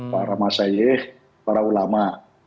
para masyaih para ulama